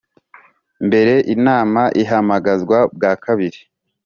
mbere Inama Ihamagazwa bwa kabiri